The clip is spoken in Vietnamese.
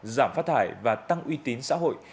giảm phát thải và tăng uy tín xã hội